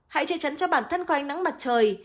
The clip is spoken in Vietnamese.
hãy chế chấn cho bản thân quanh nắng mặt trời